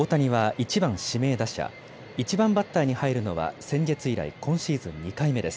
１番バッターに入るのは先月以来今シーズン２回目です。